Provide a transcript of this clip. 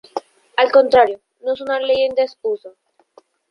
Al contrario, no es una ley en desuso.